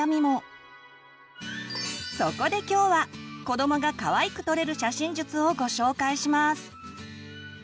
そこで今日は子どもがかわいく撮れる写真術をご紹介します！